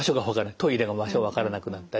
トイレの場所わからなくなったり。